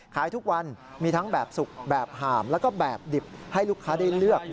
ขายทุกวันมีทั้งแบบสุกแบบห่ามแล้วก็แบบดิบให้ลูกค้าได้เลือก